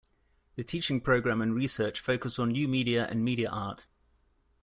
The teaching programme and research focus on new media and media art.